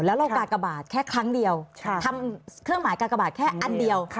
แล้วเรากากบาทแค่ครั้งเดียวทำเครื่องหมายกากบาทแค่อันเดียว